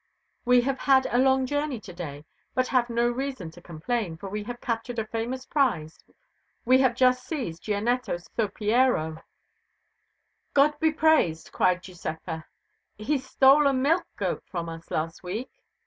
We have had a long journey to day, but have no reason to complain, for we have captured a famous prize. We have just seized Gianetto Saupiero." "God be praised!" cried Giuseppa. "He stole a milch goat from us last week."